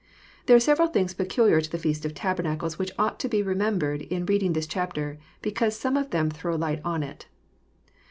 There are several things peculiar to the feast of tabernacles, which ought to be remembered in i^eading this chapter, because some of them throw light on It.